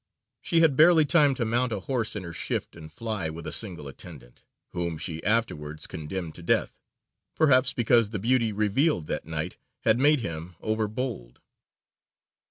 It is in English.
She had barely time to mount a horse in her shift and fly with a single attendant, whom she afterwards condemned to death, perhaps because the beauty revealed that night had made him overbold.